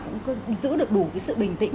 cũng giữ được đủ cái sự bình tĩnh